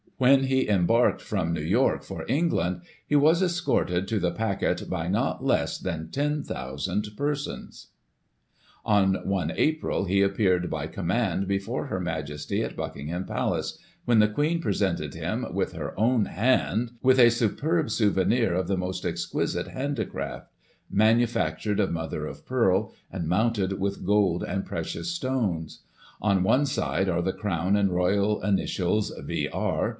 When he embarked from New York for England, he was escorted to the packet by not less than 10,000 persons. On I April, he appeared, by command, before Her Majesty at Buckingham Palace, when the Queen presented him, with her own handy with " a superb souvenir, of the most exquisite Digiti ized by Google 236 GOSSIP. [1844 handicraft, manufactured of mother of pearl, and mounted with gold and precious stones. On one side are the crown and Royal initials, V.R.